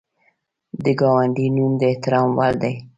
د ګاونډي نوم د احترام وړ دی